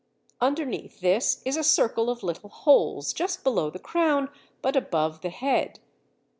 Underneath this is a circle of little holes just below the crown, but above the head.